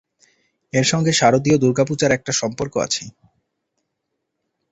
এর সঙ্গে শারদীয় দুর্গাপূজার একটা সম্পর্ক আছে।